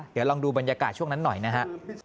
เดี๋ยวลองดูบรรยากาศช่วงนั้นหน่อยนะฮะ